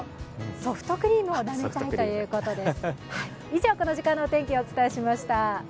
ソフトクリームをなめたいということです。